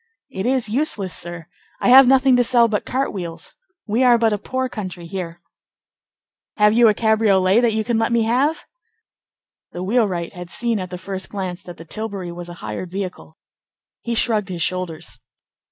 "It is useless, sir. I have nothing to sell but cart wheels. We are but a poor country here." "Have you a cabriolet that you can let me have?" The wheelwright had seen at the first glance that the tilbury was a hired vehicle. He shrugged his shoulders.